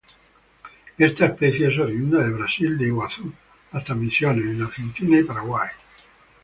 Esta especie es oriunda de Brasil de Iguazú hasta Misiones en Argentina y Paraguay.